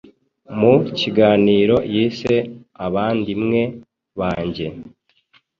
mu kiganiro yise ‘abandimwe banjye ’